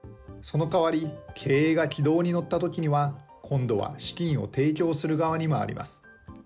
そのかわり、経営が軌道に乗ったときには、今度は資金を提供する側に回ります。